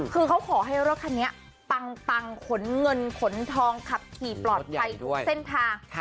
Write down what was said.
คือเขาขอให้รถคันนี้ปังขนเงินขนทองขับขี่ปลอดภัยทุกเส้นทาง